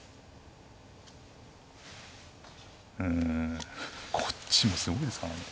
うんこっちもすごいですからね。